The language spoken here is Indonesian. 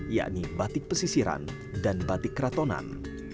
yakni batik pesisiran dan batik keratonan